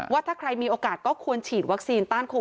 ว่าถ้าใครมีโอกาสก็ควรฉีดวัคซีนต้านโควิด๑๙กันค่ะ